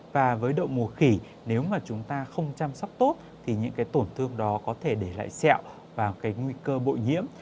và với đậu mùa khỉ nếu mà chúng ta không chăm sóc tốt thì những tổn thương đó có thể để lại sẹo và nguy cơ bội nhiễm